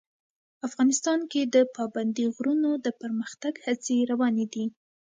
افغانستان کې د پابندي غرونو د پرمختګ هڅې روانې دي.